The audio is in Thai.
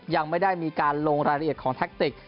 ยังไม่ได้มีการลงรายละเอียดของแท็กติก